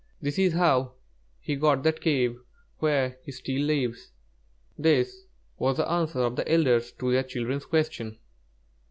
That is how he got that cave where he still lives." This was the answer of the elders to their children's question.